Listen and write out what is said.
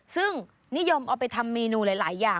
ซึ่งนิยมเอาไปทำเมนูหลายอย่าง